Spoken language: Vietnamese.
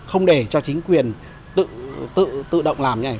không để cho chính quyền tự động làm như này